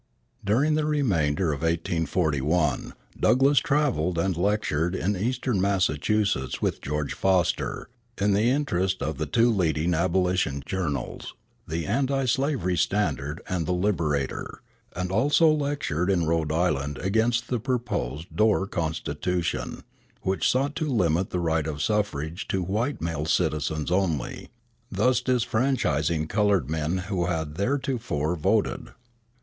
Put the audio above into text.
During the remainder of 1841 Douglass travelled and lectured in Eastern Massachusetts with George Foster, in the interest of the two leading abolition journals, the Anti slavery Standard and the Liberator, and also lectured in Rhode Island against the proposed Dorr constitution, which sought to limit the right of suffrage to white male citizens only, thus disfranchising colored men who had theretofore voted.